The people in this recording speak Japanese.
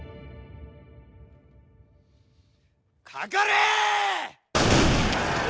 かかれ！